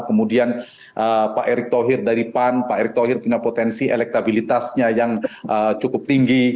kemudian pak erick thohir dari pan pak erick thohir punya potensi elektabilitasnya yang cukup tinggi